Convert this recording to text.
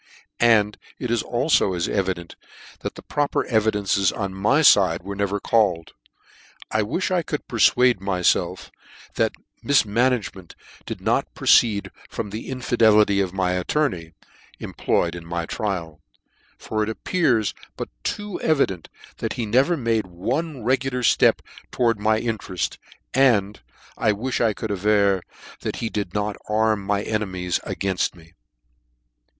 And it is alfo as evident, that the proper evidences on my fide were never called : I wilh I could perfuade myfelf that mif managemcnt did not proceed from the infidelity of my attorney, employed on my trial : for it ap pears but too evident, that he never made one regular ftep towards my intereft j and, I wilh I could aver that he did not arm. my enemies 3 gainft me.